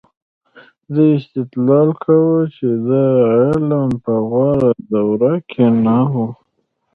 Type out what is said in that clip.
دوی استدلال کاوه چې دا علم په غوره دوره کې نه و.